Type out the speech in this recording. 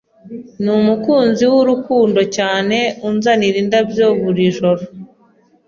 Numukunzi wurukundo cyane unzanira indabyo buri joro.